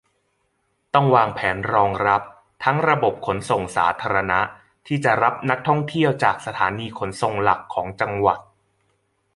ต้องวางแผนรองรับ ทั้งระบบขนส่งสาธารณะ ที่จะรับนักท่องเที่ยวจากสถานีขนส่งหลักของจังหวัด